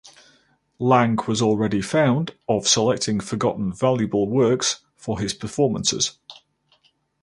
Lang was already found of selecting forgotten valuable works for his performances.